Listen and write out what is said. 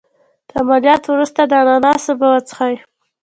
د عملیات وروسته د اناناس اوبه وڅښئ